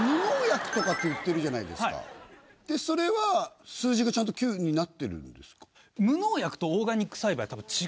ピンポンそれは数字がちゃんと９になってるんですか？